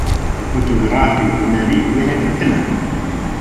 فۆتۆگرافی هونەری وێنەگرتنە